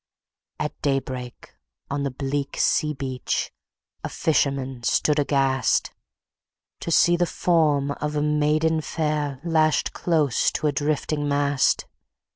At daybreak, on the bleak sea beach, A fisherman stood aghast, To see the form of a maiden fair Lashed close to a drifting mast.